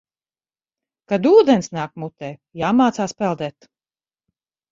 Kad ūdens nāk mutē, jāmācās peldēt.